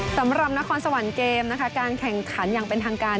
สำหรับนครสวรรค์เกมนะคะการแข่งขันอย่างเป็นทางการ